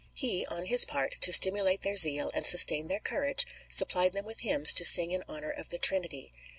He, on his part, to stimulate their zeal and sustain their courage, supplied them with hymns to sing in honour of the Trinity.